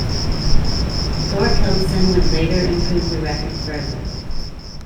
Thorkildsen would later improve the record further.